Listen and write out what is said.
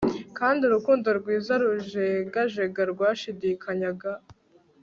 Kandi urukundo rwiza rujegajega rwashidikanyaga